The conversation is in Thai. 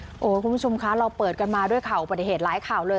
คุณผู้ชมคะเราเปิดกันมาด้วยข่าวอุบัติเหตุหลายข่าวเลย